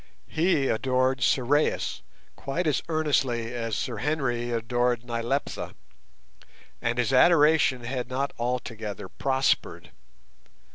He adored Sorais quite as earnestly as Sir Henry adored Nyleptha, and his adoration had not altogether prospered.